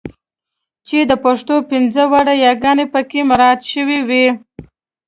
چې د پښتو پنځه واړه یګانې پکې مراعات شوې وي.